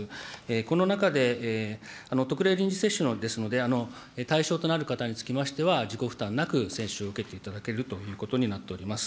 この中で、特例臨時接種ですので、対象となる方につきましては、自己負担なく接種を受けていただけるということになっております。